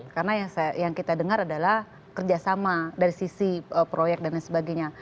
karena yang kita dengar adalah kerjasama dari sisi proyek dan sebagainya